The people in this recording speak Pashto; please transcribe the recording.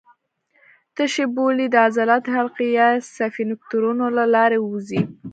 تشې بولې د عضلاتي حلقې یا سفینکترونو له لارې ووځي.